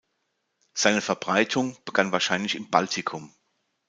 Seine Verbreitung begann wahrscheinlich im Baltikum.